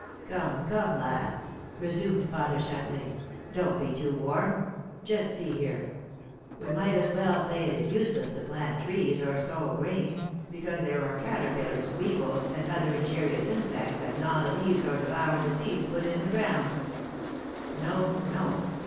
"Come, come, lads," resumed Father Châtelain, "don't be too warm. Just see here. We might as well say it is useless to plant trees, or sow grain, because there are caterpillars, weevils, and other injurious insects that gnaw the leaves or devour the seeds put in the ground. No, no!